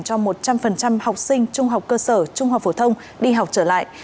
cho một trăm linh học sinh trung học cơ sở trung học phổ thông đi học trở lại